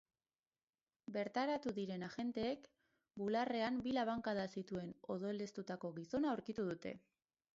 Bertaratu diren agenteek, bularrean bi labankada zituen odoleztatuko gizona aurkitu dute.